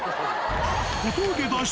小峠脱出